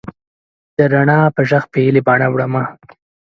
د رڼا په ږغ پیلې باڼه وړمه